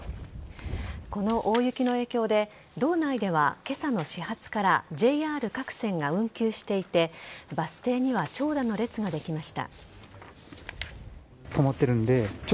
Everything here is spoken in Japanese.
この大雪の影響で道内では今朝の始発からＪＲ各線が運休していてバス停には長蛇の列ができました。